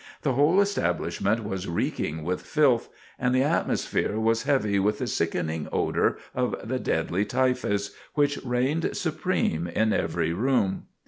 The whole establishment was reeking with filth, and the atmosphere was heavy with the sickening odor of the deadly typhus, which reigned supreme in every room.